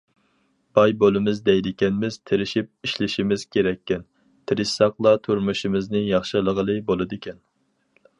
باي بولىمىز دەيدىكەنمىز تىرىشىپ ئىشلىشىمىز كېرەككەن، تىرىشساقلا تۇرمۇشىمىزنى ياخشىلىغىلى بولىدىكەن.